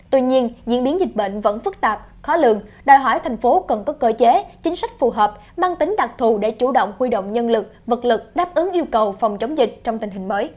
tuy nhiên diễn biến dịch bệnh vẫn phức tạp khó lường đòi hỏi thành phố cần có cơ chế chính sách phù hợp mang tính đặc thù để chủ động huy động nhân lực vật lực đáp ứng yêu cầu phòng chống dịch trong tình hình mới